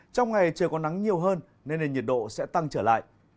trong ngày trời có nắng nhiều hơn nên nền nhiệt độ sẽ tăng trở lại